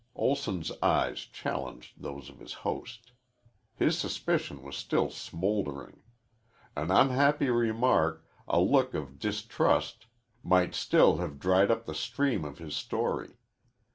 Olson's eyes challenged those of his host. His suspicion was still smoldering. An unhappy remark, a look of distrust, might still have dried up the stream of his story.